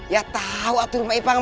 ya tau ada rumah ipang ma